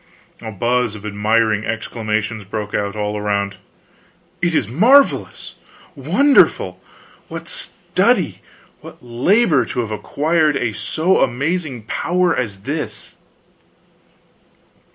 A buzz of admiring exclamations broke out, all around: "It is marvelous!" "Wonderful!" "What study, what labor, to have acquired a so amazing power as this!"